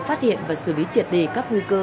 phát hiện và xử lý triệt đề các nguy cơ